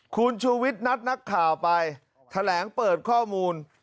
คุณชูวิทย์นัดนักข่าวไปแถลงเปิดข้อมูล